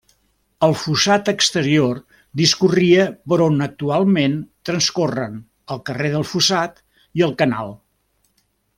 El fossat exterior discorria per on actualment transcorren el carrer del Fossat i el canal.